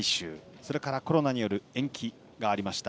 それからコロナによる延期がありました。